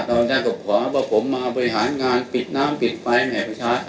ตอนแรกก็ขวาว่าผมมาบริหารงานปิดน้ำปิดไฟแห่ประชา